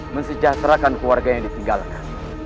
mesejahterakan keluarga yang ditinggalkan